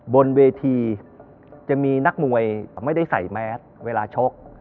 บนเวทีจะมีนักมวยไม่ได้ใส่แมสเวลาชก